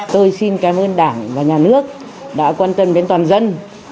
tôi xin cảm ơn đảng và nhà nước đã quan tâm đến toàn dân